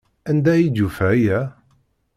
Anda ay d-yufa aya?